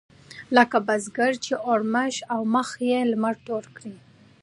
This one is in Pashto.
لکه بزګر چې اورمېږ او مخ يې لمر تور کړي.